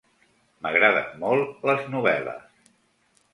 M'agraden molt, les novel·les.